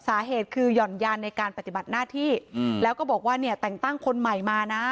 สาเหตุคือหย่อนยานในการปฏิบัติหน้าที่แล้วก็บอกว่าเนี่ยแต่งตั้งคนใหม่มานะ